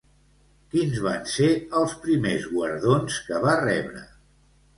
Quins van ser els primers guardons que va rebre?